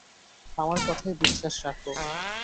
আমার কথায় বিশ্বাস রাখো।